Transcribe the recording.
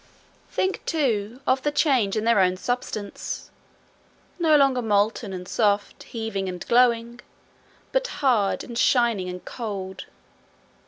Think, too, of the change in their own substance no longer molten and soft, heaving and glowing, but hard and shining and cold.